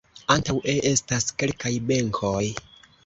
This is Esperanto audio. Antaŭe estas kelkaj benkoj.